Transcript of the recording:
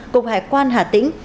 cục hải quan hà tĩnh